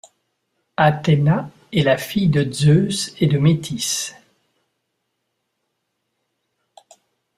Athéna est la fille de Zeus et de Métis.